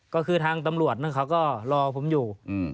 ก็คือทางตำรวจนั้นเขาก็รอผมอยู่